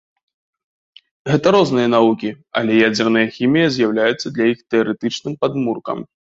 Гэта розныя навукі, але ядзерная хімія з'яўляецца для іх тэарэтычным падмуркам.